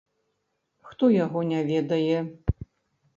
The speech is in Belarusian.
Хто яго не ведае.